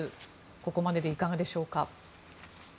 ここまででいかがでしょうか。